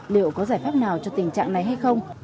liệu có giải pháp nào cho tình trạng này hay không